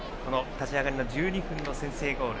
立ち上がりの１２分の先制ゴール。